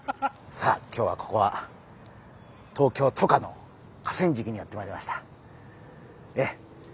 さあ今日はここは東京都下の河川敷にやって参りました。